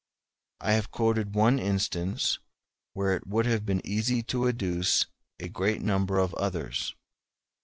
I have quoted one instance where it would have been easy to adduce a great number of others.